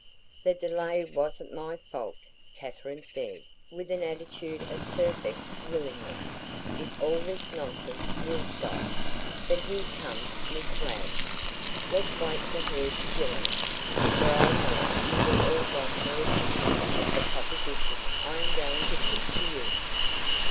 "The delay wasn't my fault," Katherine said, with an attitude of "perfect willingness if all this nonsense will stop." "But here comes Miss Ladd. Let's wait for her to join us, for I know you will all want her opinion of the proposition I am going to put to you."